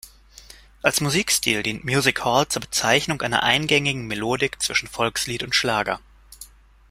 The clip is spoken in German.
Als Musikstil dient "Music Hall" zur Bezeichnung einer eingängigen Melodik zwischen Volkslied und Schlager.